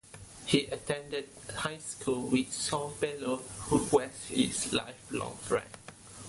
He attended high school with Saul Bellow, who was his lifelong friend.